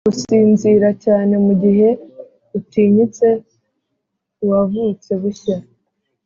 gusinzira cyane; mugihe utinyitse, wavutse bushya